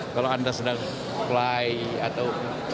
kalau anda sedang fly atau